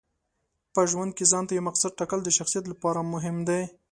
په ژوند کې ځانته یو مقصد ټاکل د شخصیت لپاره مهم دي.